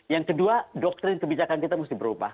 yang kedua doktrin kebijakan kita mesti berubah